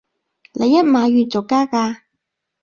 你一買完就加價